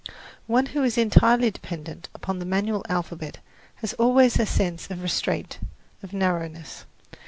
One who is entirely dependent upon the manual alphabet has always a sense of restraint, of narrowness.